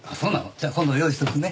じゃあ今度用意しとくね。